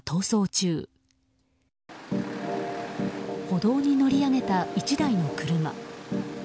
歩道に乗り上げた１台の車。